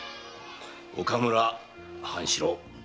岡村半四郎。